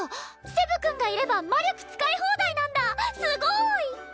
セブ君がいれば魔力使い放題なんだすごい！